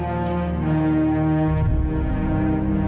tante aku mau ke rumah